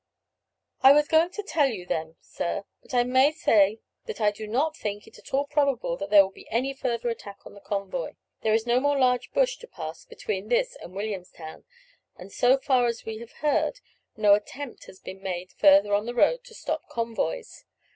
"I was just going to tell you them, sir, but I may say that I do not think it at all probable that there will be any further attack on the convoy. There is no more large bush to pass between this and Williamstown, and so far as we have heard, no attempt has been made further on the road to stop convoys.